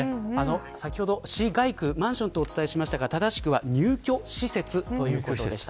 先ほどＣ街区マンションとお伝えしましたが正しくは入居施設ということでした。